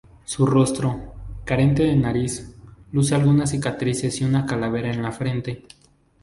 Su rostro, carente de nariz, luce algunas cicatrices y una calavera en la frente.